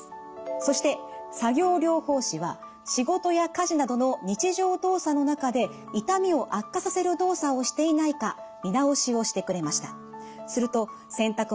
そして作業療法士は仕事や家事などの日常動作の中で痛みを悪化させる動作をしていないか見直しをしてくれました。